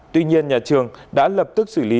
tuy nhiên nhà trường đã lập tức xử lý